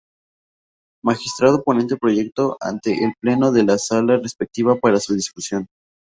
Magistrado ponente proyecto ante el Pleno de la Sala respectiva para su discusión.